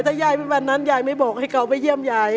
ถ้ายายเป็นวันนั้นยายไม่บอกให้เขาไปเยี่ยมยาย